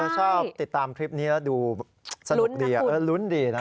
ชอบติดตามคลิปนี้แล้วดูสนุกดีลุ้นดีนะ